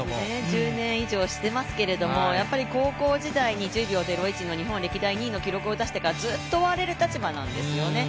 １０年以上知っていますけれども、高校時代に１０秒０１の日本歴代２位の記録を出してからずっと追われる立場なんですよね。